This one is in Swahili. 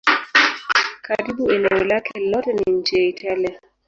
Karibu eneo lake lote ni nchi ya Italia.